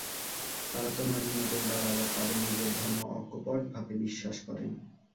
তাঁরা তোমারই মত উদার, আবার তাঁদের নিজের ধর্ম অকপটভাবে বিশ্বাস করেন।